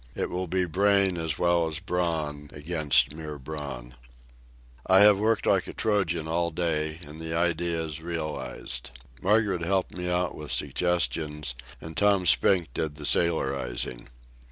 It will be brain as well as brawn against mere brawn. I have worked like a Trojan all day, and the idea is realized. Margaret helped me out with suggestions, and Tom Spink did the sailorizing.